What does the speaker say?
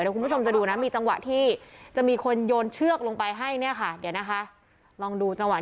คุณผู้ชมจะดูนะมีจังหวะที่จะมีคนโยนเชือกลงไปให้เนี่ยค่ะเดี๋ยวนะคะลองดูจังหวะ